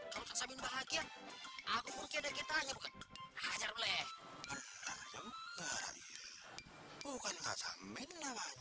tante lupa ya kalau tante masih punya keponakan keponakan yang ada di rumah ini